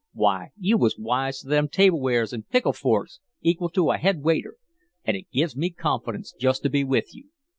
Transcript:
Why, you was wise to them tablewares and pickle forks equal to a head waiter, and it give me confidence just to be with you.